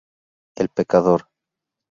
El Pecador.